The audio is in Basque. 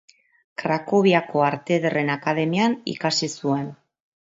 Krakoviako Arte Ederren Akademian ikasi zuen.